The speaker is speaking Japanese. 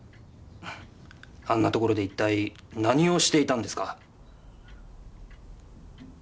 あんなところで一体何をしていたんですか？